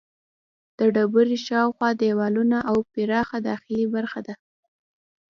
د ډبرې شاوخوا دیوالونه او پراخه داخلي برخه ده.